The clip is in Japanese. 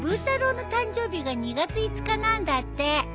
太郎の誕生日が２月５日なんだって。